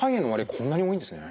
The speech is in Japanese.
こんなに多いんですね。